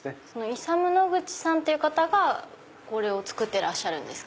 イサム・ノグチさんっていう方がこれを作ってるんですか？